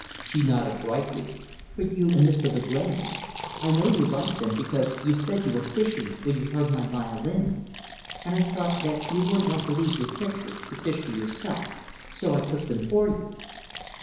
She nodded brightly; "For you and Mr. Lagrange. I know you like them because you said you were fishing when you heard my violin. And I thought that you wouldn't want to leave your picture, to fish for yourself, so I took them for you."